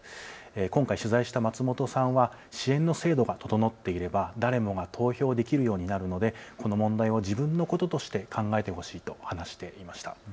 今回取材した松本さんは支援の制度が整っていれば誰もが投票できるようになるのでこの問題を自分のこととして考えてほしいと話していました。